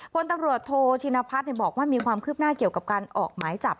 พลตำรวจโทชินพัฒน์บอกว่ามีความคืบหน้าเกี่ยวกับการออกหมายจับ